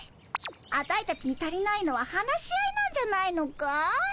アタイたちに足りないのは話し合いなんじゃないのかい？